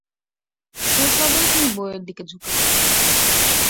শৈশবেই তিনি বইয়ের দিকে ঝুঁকে ছিলেন।